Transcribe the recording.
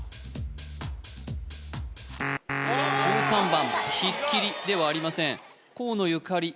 １３番ひっきりではありません河野ゆかり